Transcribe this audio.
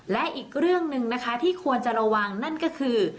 และอีกเรื่องหนึ่งนะคะที่ควรจะระวังนั่นก็คือ